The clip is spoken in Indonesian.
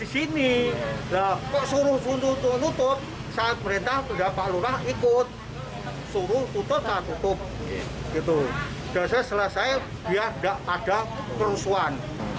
setelah selesai dia tidak ada kerusuhan